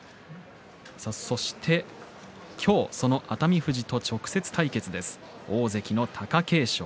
そして今日もその熱海富士と直接対決です、大関の貴景勝。